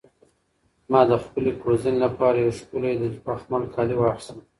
ما د خپلې کوژدنې لپاره یو ښکلی د بخمل کالي واخیستل.